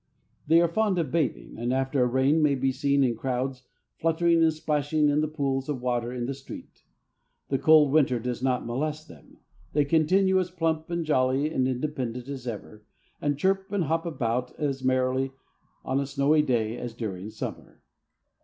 They are fond of bathing, and after a rain may be seen in crowds fluttering and splashing in the pools of water in the street. The cold winter does not molest them. They continue as plump and jolly and independent as ever, and chirp and hop about as merrily on a snowy day as during summer.